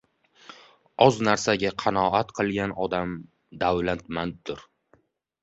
Oz narsaga qanoat qilgan odam davlatmanddir